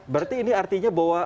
berarti ini artinya bahwa